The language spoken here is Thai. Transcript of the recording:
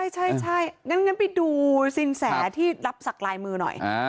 ใช่งั้นไปดูสินแสที่รับสักลายมือหน่อย